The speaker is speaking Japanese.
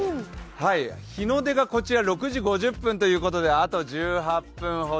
日の出が６時５０分ということであと１８分ほど。